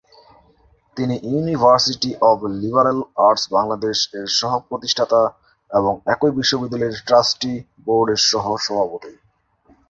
তিনি university of liberal arts Bangladesh -এর সহ-প্রতিষ্ঠাতা এবং একই বিশ্ববিদ্যালয়ের ট্রাস্টি বোর্ডের সহ-সভাপতি।